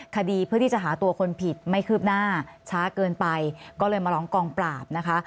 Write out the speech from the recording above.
คดีเพื่อที่จะหาตัวคนผิดไม่คืบหน้าช้าเกินไปก็เลยมาร้องกองปราบนะคะ